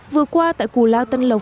vừa qua tại cù lao tân lộc